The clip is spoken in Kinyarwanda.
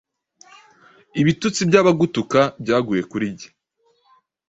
ibitutsi by’abagutuka byaguye kuri jye.